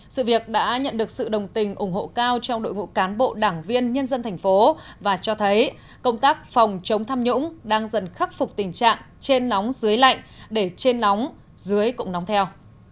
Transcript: sự việc đã nhận được sự đồng tình ủng hộ cao trong đội ngũ cán bộ đảng viên nhân dân thành phố và cho thấy công tác phòng chống tham nhũng đang dần khắc phục tình trạng trên nóng dưới lạnh để trên nóng dưới cũng nóng theo